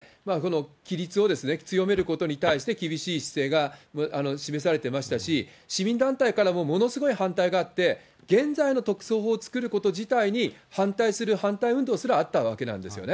むしろ特措法を作っていた現在の野党の側の中で、政府内で規律を強めることに対して、厳しい姿勢が示されていましたし、市民団体からもものすごい反対があって、現在の特措法を作ること自体に反対する反対運動すらあったわけなんですよね。